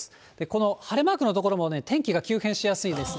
この晴れマークの所も天気が急変しやすいんです。